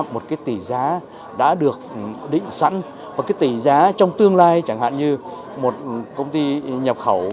một cái tỷ giá đã được định sẵn và cái tỷ giá trong tương lai chẳng hạn như một công ty nhập khẩu